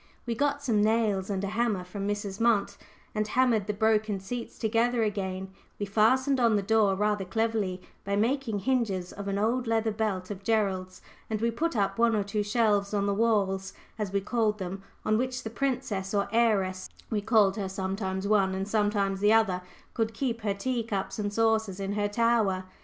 We got some nails and a hammer from Mrs. Munt, and hammered the broken seats together again; we fastened on the door rather cleverly by making hinges of an old leather belt of Gerald's, and we put up one or two shelves on the walls, as we called them, on which the princess, or heiress we called her sometimes one, and sometimes the other could keep her tea cups and saucers in her tower.